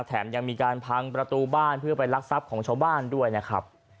แถมยังมีการพังประตูบ้านเพื่อไปรักทรัพย์ของชาวบ้านด้วยนะครับ